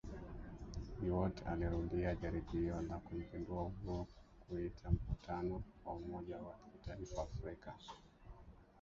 Biwott alirudia jaribio la kumpindua Uhuru kwa kuita mkutano wa umoja wa kitaifa Afrika